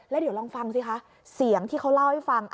แล้วเดี๋ยวลองฟังสิคะเสียงที่เขาเล่าให้ฟัง